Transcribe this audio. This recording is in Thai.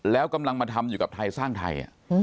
แล้วกำลังมาทำอยู่กับไทยสร้างไทย